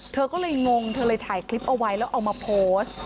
เธอก็เลยงงเธอเลยถ่ายคลิปเอาไว้แล้วเอามาโพสต์